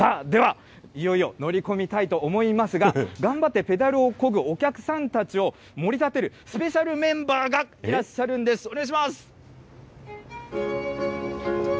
では、いよいよ乗り込みたいと思いますが、頑張ってペダルをこぐお客さんたちをもり立てる、スペシャルメンバーがいらっしゃるんです。